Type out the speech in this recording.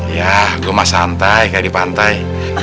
yah gue mah santai kayak di pantai